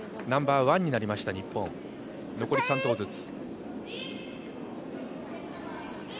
ナンバーワンになりました、日本残り３投ずつ。